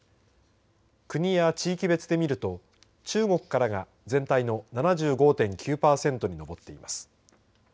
国や地域別で見ると中国からが全体の７５．９パーセントに上っています。